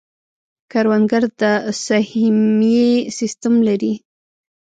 کروندګر د سهمیې سیستم لري.